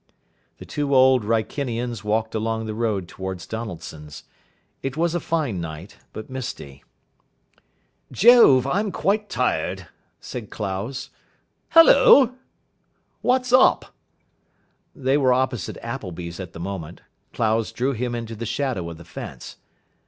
The two Old Wrykinians walked along the road towards Donaldson's. It was a fine night, but misty. "Jove, I'm quite tired," said Clowes. "Hullo!" "What's up?" They were opposite Appleby's at the moment. Clowes drew him into the shadow of the fence.